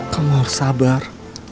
kamu harus sabar